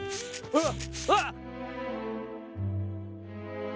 あっ。